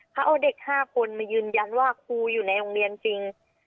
เขาเอาเด็ก๕คนมายืนยันว่าครูอยู่ในโรงเรียนจริง